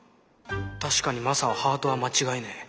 確かにマサはハートは間違いねえ。